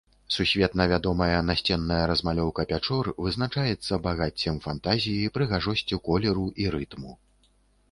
Сусветна вядомая насценная размалёўка пячор вызначаецца багаццем фантазіі, прыгажосцю колеру і рытму.